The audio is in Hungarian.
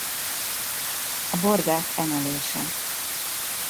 A bordák emelése.